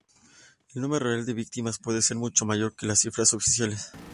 El número real de víctimas puede ser mucho mayor que las cifras oficiales.